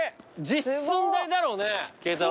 実寸大だろうね。